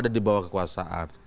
ada di bawah kekuasaan